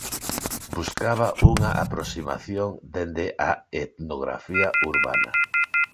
Buscaba unha aproximación dende a etnografía urbana.